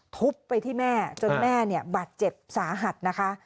ทุบไปที่แม่จนแม่เนี่ยบาดเจ็บสาหัสนะคะ